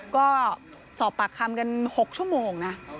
ก็สอบปากคำกัน๖ชั่วโมงนะ